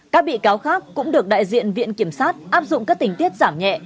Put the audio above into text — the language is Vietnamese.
các bị cáo khác cũng được đại diện viện kiểm sát áp dụng các tình tiết giảm nhẹ